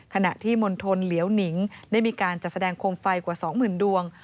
ขณะที่มณฑลเหลียวหนิงได้มีการจัดแสดงโคมไฟกว่า๒๐๐๐ดวง